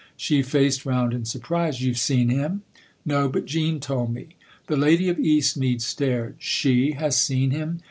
She faced round in surprise. "You've seen him ?"" No, but Jean told me." The lady of Eastmead stared. "She has seen him